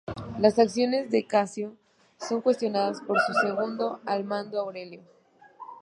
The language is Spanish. Las acciones de Casio son cuestionadas por su segundo al mando Aurelio.